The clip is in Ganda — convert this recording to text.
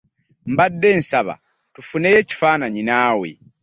Mbadde nsaba tufuneyo ekifananyi naawe.